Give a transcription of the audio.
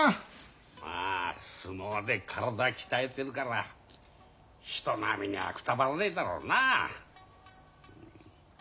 まあ相撲で体鍛えてるから人並みにはくたばらねえだろうな。